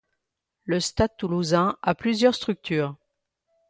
Le Stade toulousain a plusieurs structures.